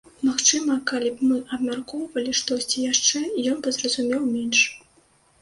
Магчыма, калі б мы абмяркоўвалі штосьці яшчэ, ён бы зразумеў менш.